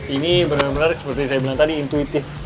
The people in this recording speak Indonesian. ini bener bener seperti yang saya bilang tadi intuitif